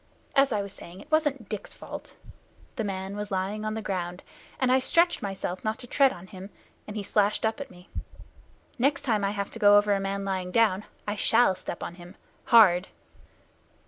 As I was saying, it wasn't Dick's fault. The man was lying on the ground, and I stretched myself not to tread on him, and he slashed up at me. Next time I have to go over a man lying down I shall step on him hard."